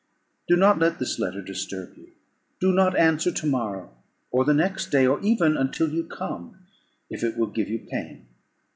"Do not let this letter disturb you; do not answer to morrow, or the next day, or even until you come, if it will give you pain.